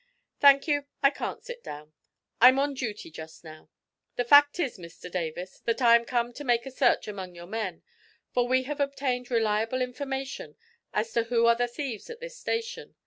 "Thank you, I can't sit down. I'm on duty just now. The fact is, Mr Davis, that I am come to make a search among your men, for we have obtained reliable information as to who are the thieves at this station.